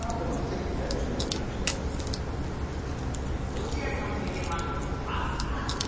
落合さんといえばパスタ。